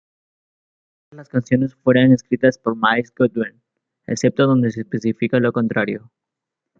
Todas las canciones fueron escritas por Myles Goodwyn, excepto donde se especifica lo contrario.